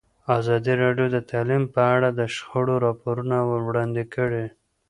ازادي راډیو د تعلیم په اړه د شخړو راپورونه وړاندې کړي.